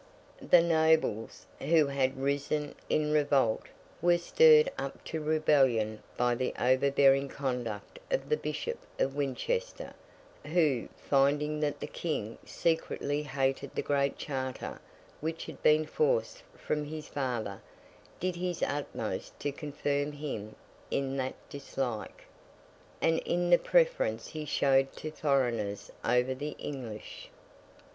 The nobles, who had risen in revolt, were stirred up to rebellion by the overbearing conduct of the Bishop of Winchester, who, finding that the King secretly hated the Great Charter which had been forced from his father, did his utmost to confirm him in that dislike, and in the preference he showed to foreigners over the English.